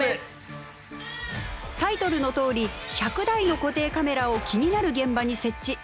タイトルのとおり１００台の固定カメラを気になる現場に設置。